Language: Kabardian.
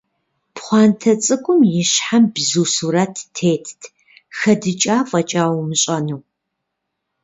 Пхъуантэ цӀыкӀум и щхьэм бзу сурэт тетт, хэдыкӀа фӀэкӀа умыщӀэну.